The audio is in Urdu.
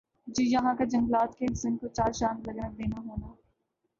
جو یَہاں کا جنگلات کےحسن کو چار چاند لگنا دینا ہونا